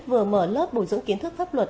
vừa mở lớp bổ dưỡng kiến thức pháp luật